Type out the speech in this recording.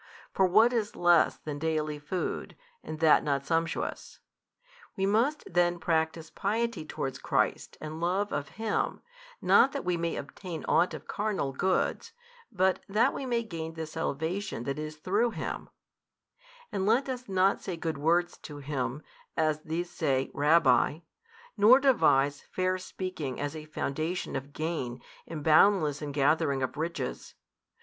For what is less than daily food, and that not sumptuous? We must then practise piety towards Christ and Love of Him, not that we may obtain ought of carnal goods but that we may gain the salvation that is through Him; and let us not say good words to Him, as these say Rabbi, nor devise fair speaking as a foundation of gain and boundless ingathering of riches.